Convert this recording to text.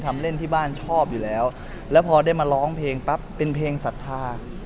ทำเล่นที่บ้านชอบอยู่แล้วแล้วพอได้มาร้องเพลงปั๊บเป็นเพลงศรัทธา